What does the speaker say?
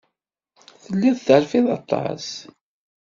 Telliḍ terfiḍ aṭas.